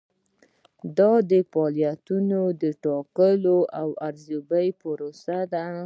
دا د فعالیتونو د ټاکلو او ارزیابۍ پروسه ده.